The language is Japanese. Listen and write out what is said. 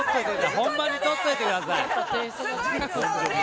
本番に取っておいてください。